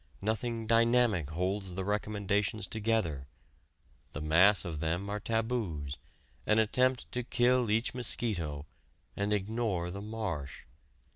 Nothing dynamic holds the recommendations together the mass of them are taboos, an attempt to kill each mosquito and ignore the marsh.